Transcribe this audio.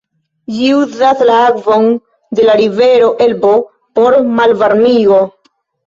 Ĝi uzas la akvon de la rivero Elbo por malvarmigo.